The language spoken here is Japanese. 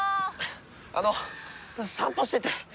あの散歩してて。